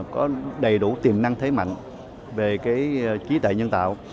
có đầy đủ tiềm năng thấy mạnh về trí tệ nhân tạo